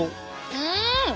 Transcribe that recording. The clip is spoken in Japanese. うん。